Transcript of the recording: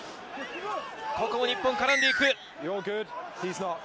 ここも日本、絡んでいく。